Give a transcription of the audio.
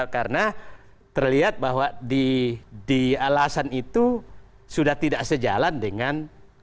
karena terlihat bahwa di alasan itu sudah tidak sejalan dengan